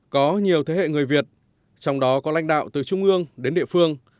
có nhiều thế hệ người việt trong đó có lãnh đạo từ trung ương đến địa phương